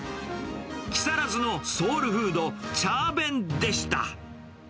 木更津のソウルフード、チャー弁でした。